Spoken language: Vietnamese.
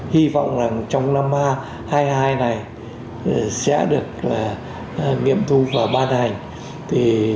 hy vọng là trong năm hai nghìn hai mươi hai này sẽ được nghiệm thu và ban hành